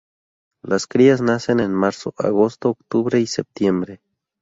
Las crías nacen en marzo, agosto, octubre y septiembre.